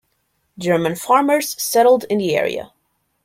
German farmers settled in the area.